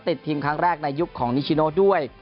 ติดทีมครั้งแรกในยุคของนิชิโนด้วย